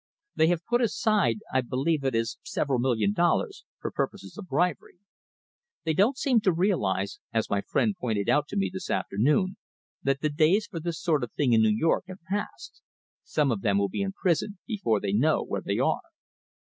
They have put aside I believe it is several million dollars, for purposes of bribery. They don't seem to realise, as my friend pointed out to me this afternoon, that the days for this sort of thing in New York have passed. Some of them will be in prison before they know where they are."